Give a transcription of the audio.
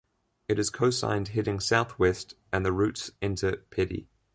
It is cosigned heading south-west, and the routes enter Peddie.